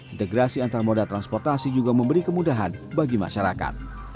integrasi antar moda transportasi juga memberi kemudahan bagi masyarakat